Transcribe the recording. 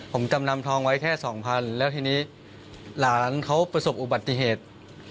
ผมจำนำทองไว้แค่สองพันแล้วทีนี้หลานเขาประสบอุบัติเหตุ